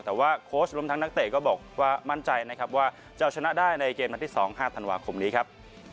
แต่ว่าโค้ชรวมทั้งนักเตะก็บอกว่ามั่นใจนะครับว่าจะชนะได้ในเกมนัดที่๒๕ธันวาคมนี้ครับ